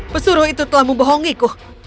pesuruh itu telah membohongiku